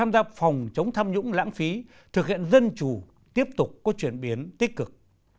đúng lãng phí thực hiện dân chủ tiếp tục có chuyển biến tích cực